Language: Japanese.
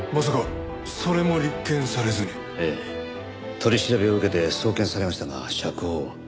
取り調べを受けて送検されましたが釈放。